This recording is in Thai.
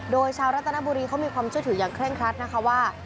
โดยชาวรัตนบุรีเขามีความเชื่อถืออย่างเร่งครัดนะคะว่า